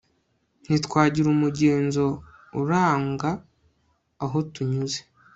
ntitwagira umugenzo uranga aho tunyuze